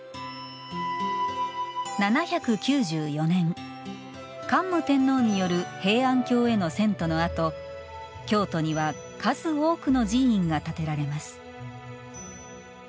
７９４年、桓武天皇による平安京への遷都のあと京都には数多くの寺院が建てられます。